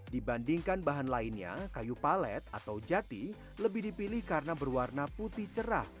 dibandingkan bahan lainnya kayu palet atau jati lebih dipilih karena berwarna putih cerah